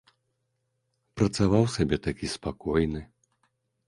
Працаваў сабе такі спакойны.